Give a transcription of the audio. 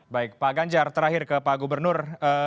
baik pak ganjar terakhir ke pak gubernur